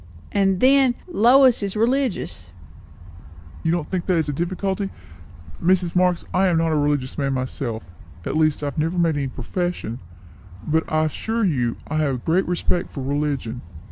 "And then, Lois is religious." "You don't think that is a difficulty? Mrs. Marx, I am not a religious man myself; at least I have never made any profession; but I assure you I have a great respect for religion."